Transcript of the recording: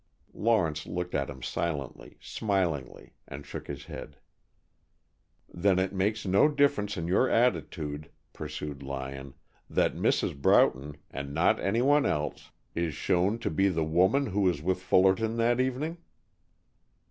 Lawrence looked at him silently, smilingly, and shook his head. "Then it makes no difference in your attitude," pursued Lyon, "that Mrs. Broughton and not anyone else is shown to be the woman who was with Fullerton that evening?"